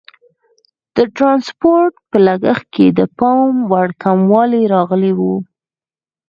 د ټرانسپورټ په لګښت کې د پام وړ کموالی راغلی وو.